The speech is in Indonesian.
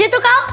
iya tuh kau